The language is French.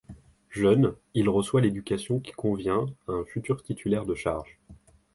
Jeune, il reçoit l'éducation qui convient à un futur titulaire de charges.